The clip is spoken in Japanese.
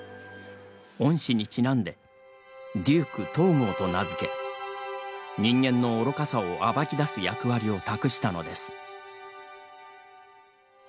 恩師にちなんでデューク東郷と名付け人間の愚かさを暴き出す役割を託したのです。